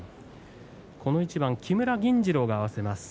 この一番木村銀治郎が合わせます。